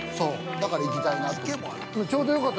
だから、行きたいなと思って。